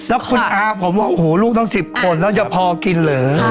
แล้วคุณอาผมว่าโอ้โหลูกต้อง๑๐คนแล้วจะพอกินเหรอ